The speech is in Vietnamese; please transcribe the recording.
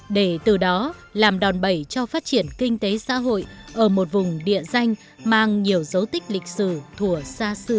để từ đó làm đòn bẩy cho phát triển kinh tế xã hội ở một vùng địa danh mang nhiều dấu tích lịch sử thủa xa xưa